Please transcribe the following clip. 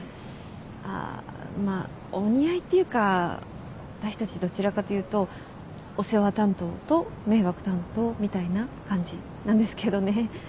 あっまあお似合いっていうか私たちどちらかというとお世話担当と迷惑担当みたいな感じなんですけどね。